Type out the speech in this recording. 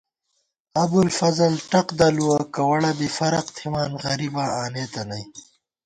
ابُوالفضل ٹق دَلُوَہ، کوَڑہ بی فرق تھِمان، غریباں آنېتہ نئ